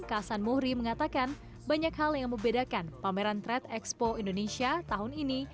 kasan muhri mengatakan banyak hal yang membedakan pameran trade expo indonesia tahun ini